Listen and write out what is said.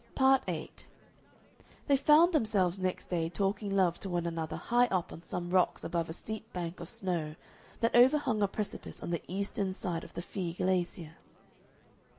Part 8 They found themselves next day talking love to one another high up on some rocks above a steep bank of snow that overhung a precipice on the eastern side of the Fee glacier.